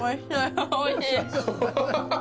おいしい。